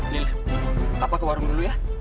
nih apa ke warung dulu ya